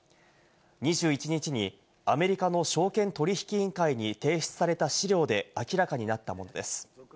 ２１日にアメリカの証券取引委員会に提出された資料で明らかになったものです。